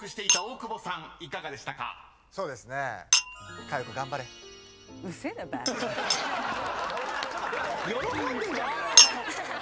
喜んでんじゃねえかよ。